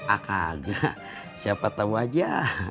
ah kagak siapa tahu aja